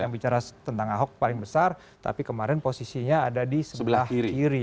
yang bicara tentang ahok paling besar tapi kemarin posisinya ada di sebelah kiri